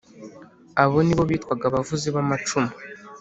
abo nibo bitwaga abavuzi b’amacumu.